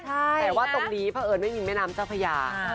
แต่ว่าตรงนี้เพราะเอิญไม่มีแม่น้ำเจ้าพญา